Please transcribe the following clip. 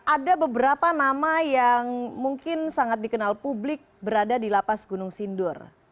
ada beberapa nama yang mungkin sangat dikenal publik berada di lapas gunung sindur